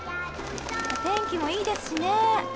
お天気もいいですしね